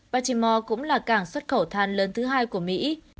patimore cũng là cảng xuất khẩu than lớn thứ hai của mỹ